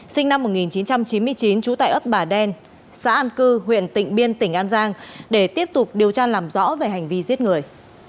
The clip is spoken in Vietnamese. sinh năm một nghìn chín trăm chín mươi chín trú tại ấp bà đen xã an cư huyện tỉnh biên tỉnh an giang để tiếp tục điều tra làm rõ về hành vi giết người